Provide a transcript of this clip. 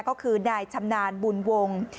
ก็คือนายชำนาญบุญวงศ์